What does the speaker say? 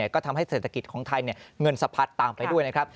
ก็ทำให้เศรษฐกิจของไทยเงินสะพัดตามไปด้วยนะครับ